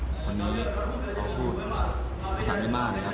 แล้วก็คนนี้เขาพูดภาษานิมารนะครับ